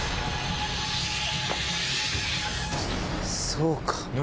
そうか。